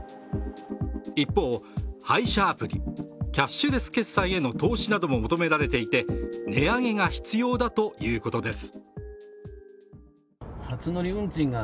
一方、配車アプリ・キャッシュレス決済への投資なども求められていて、値上げが必要だということです。